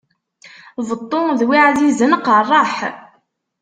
Beṭṭu d wi ɛzizen qeṛṛeḥ.